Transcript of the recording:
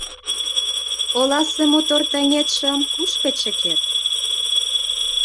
Оласе мотор таҥетшым кушко чыкет?